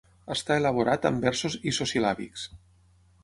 Estar elaborat amb versos isosil·làbics.